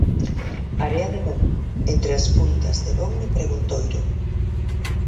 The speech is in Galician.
Area de Bon, entre as puntas de Bon e Preguntoiro.